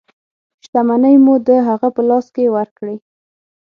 شتمنۍ مو د هغه په لاس کې ورکړې.